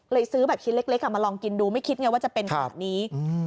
เลยซื้อแบบขิ้นเล็กมาลองกินดูไม่คิดว่าจะเป็นแบบนี้